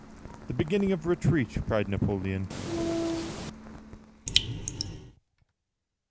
"The beginning of retreat!" cried Napoleon.